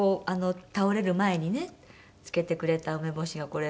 倒れる前にね漬けてくれた梅干しがこれ。